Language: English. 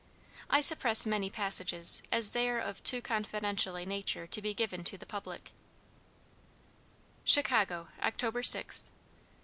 I suppress many passages, as they are of too confidential a nature to be given to the public: "CHICAGO, October 6th.